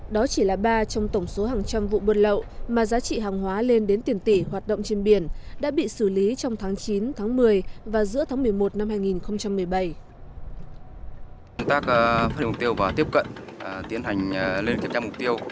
đó chỉ là ba trong tổng số hàng trăm vụ buôn lậu mà giá trị hàng hóa lên đến tiền tỷ hoạt động trên biển đã bị xử lý trong tháng chín tháng một mươi và giữa tháng một mươi một năm hai nghìn một mươi bảy